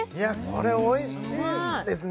これおいしいですね